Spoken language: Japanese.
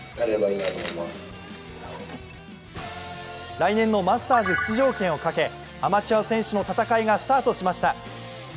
来年のマスターズ出場権をかけアマチュア選手の戦いがスタートしました。